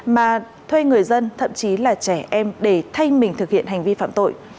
mà thuê người dân thậm chí là trẻ em để thay mình thực hiện hành vi phạm tội